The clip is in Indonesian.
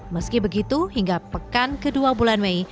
meski begitu hingga pekan kedua bulan mei